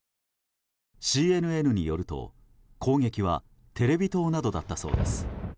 ＣＮＮによると、攻撃はテレビ塔などだったそうです。